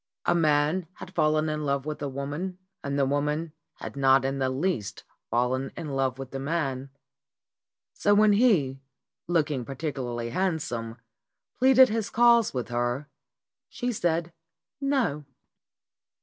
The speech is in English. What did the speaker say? A man had fallen in love with a woman and the woman had not in the least fallen in love with the man. So when he, look ing particularly handsome, pleaded his cause with her, she said "No."